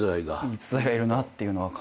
逸材がいるなっていうのは。